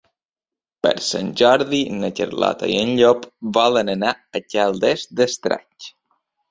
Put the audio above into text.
Per Sant Jordi na Carlota i en Llop volen anar a Caldes d'Estrac.